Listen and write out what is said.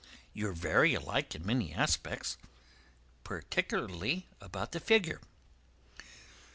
You're very alike in many respects—particularly about the figure."